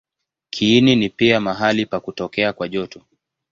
Kiini ni pia mahali pa kutokea kwa joto.